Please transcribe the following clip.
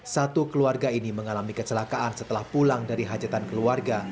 satu keluarga ini mengalami kecelakaan setelah pulang dari hajatan keluarga